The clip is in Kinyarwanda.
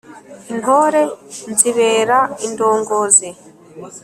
Intore nzibera indongozi.